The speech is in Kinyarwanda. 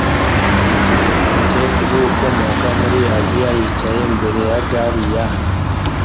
Umukecuru ukomoka muri Aziya yicaye imbere ya gari ya